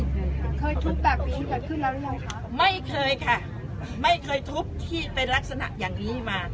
เคยค่ะเคยทุบแบบนี้เกิดขึ้นแล้วหรือยังคะไม่เคยค่ะไม่เคยทุบที่เป็นลักษณะอย่างนี้มา